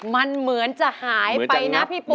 มันเหมือนจะหายไปนะพี่ปุ๊